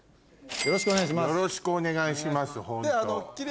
よろしくお願いします。